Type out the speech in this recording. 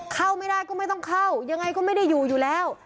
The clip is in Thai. เข้าไม่ได้ก็ไม่ต้องเข้ายังไงก็ไม่ได้อยู่อยู่แล้ว